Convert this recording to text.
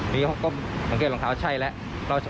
นี่เขาก็สังเกตรองเท้าใช่แล้ว